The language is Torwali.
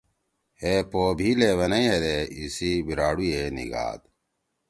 ہے پو بھی لیونئی ہیدے ایسی بھیراڈُو ئے نیِگھاد۔